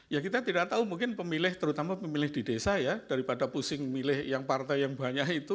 ya kita tidak tahu mungkin pemilih terutama pemilih di desa ya daripada pusing milih yang partai yang banyak itu